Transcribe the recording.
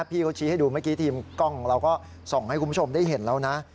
พี่เขาชี้ให้ดูเมื่อกี้ทีมกล้องของเราก็ส่องให้คุณผู้ชมได้เห็นแล้วนะ